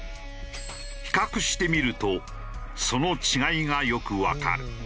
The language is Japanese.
比較してみるとその違いがよくわかる。